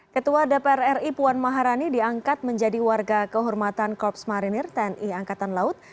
ketua dpr ri puan maharani diangkat menjadi warga kehormatan korps marinir tni angkatan laut